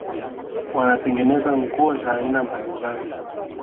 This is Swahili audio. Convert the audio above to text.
wanatengeneza nguo za aina mbalimbali